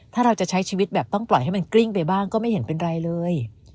ถ้าเราจะใช้ชีวิตแบบต้องปล่อยให้มันกลิ้งไปบ้างก็ไม่เห็นเป็นไรเลย